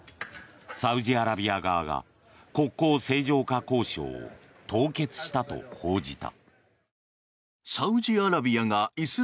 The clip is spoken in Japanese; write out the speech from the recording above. サウジアラビア側が国交正常化交渉を凍結したと報じた。